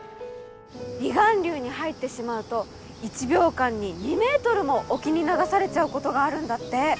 離岸流に入ってしまうと１秒間に２メートルも沖に流されちゃうことがあるんだって。